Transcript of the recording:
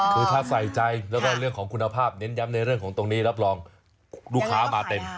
คือถ้าใส่ใจแล้วก็เรื่องของคุณภาพเน้นย้ำในเรื่องของตรงนี้รับรองลูกค้ามาเต็ม